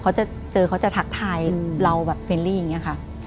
เขาจะเจอเขาจะทักทายเราแบบเฟลลี่อย่างนี้ค่ะ